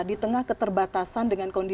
di tengah keterbatasan dengan kondisi